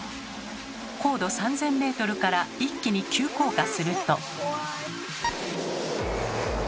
高度３，０００ｍから一気に急降下すると。